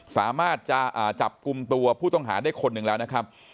สามารถจะจับกลุ่มตัวผู้ต้องหาได้คนหนึ่งแล้วนะครับ